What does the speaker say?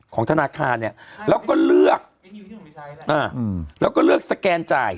ของธนาคารเนี่ยแล้วก็เลือกแล้วก็เลือกสแกนจ่าย